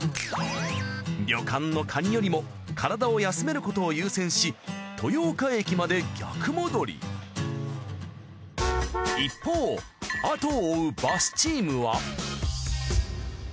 旅館のカニよりも体を休めることを優先し一方後を追うバスチームは。